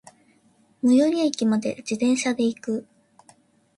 最寄駅まで、自転車で行く。